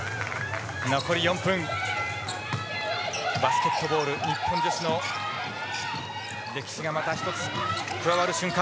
バスケットボール日本女子の歴史がまた１つ加わる瞬間。